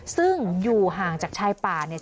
ซึ่งอยู่ห่างจากชายป่าเนี่ย